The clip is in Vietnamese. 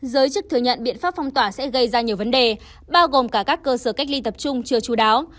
giới chức thừa nhận biện pháp phong tỏa sẽ gây ra nhiều vấn đề bao gồm cả các cơ sở cách ly tập trung chưa chú đáo